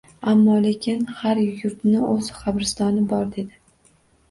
— Ammo-lekin har yurtni o‘z qabristoni bor, — dedi.